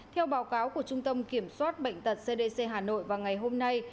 theo báo cáo của trung tâm kiểm soát bệnh tật cdc hà nội vào ngày hôm nay